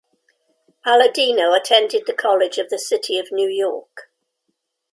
Paladino attended the College of the City of New York.